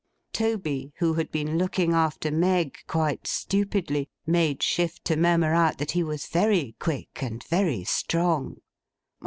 Toby, who had been looking after Meg, quite stupidly, made shift to murmur out that he was very quick, and very strong.